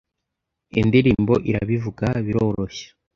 indirimbo irabivuga biroroshye